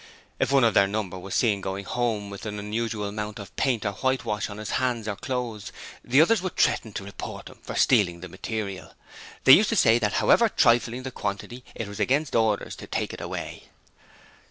If one of their number was seen going home with an unusual amount of paint or whitewash on his hands or clothes, the others would threaten to report him for stealing the material. They used to say that however trifling the quantity, it was against orders to take it away.